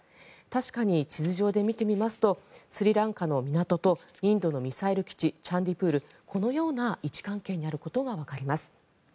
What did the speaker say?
確かに地図上で見てみますとスリランカの港とインドのミサイル基地チャンディプールこのような位置関係にあることがわかります。